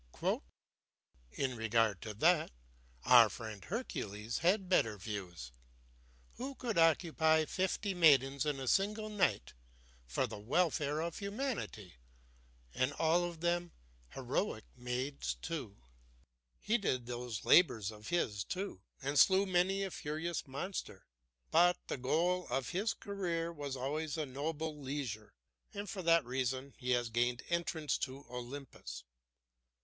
"In regard to that our friend Hercules had better views, who could occupy fifty maidens in a single night for the welfare of humanity, and all of them heroic maids too. He did those labors of his, too, and slew many a furious monster. But the goal of his career was always a noble leisure, and for that reason he has gained entrance to Olympus.